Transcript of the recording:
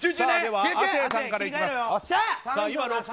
亜生さんから行きます。